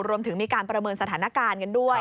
รวมถึงมีการประเมินสถานการณ์กันด้วย